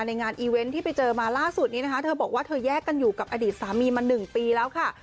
งานอีเวนต์ที่ไปเจอมาล่าสุดนี้นะคะเธอบอกว่าเธอแยกกันอยู่กับอดีตสามีมา๑ปีแล้วค่ะ